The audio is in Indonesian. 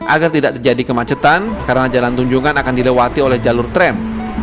agar tidak terjadi kemacetan karena jalan tunjungan akan dilewati oleh jalur tram